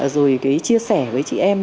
rồi chia sẻ với chị em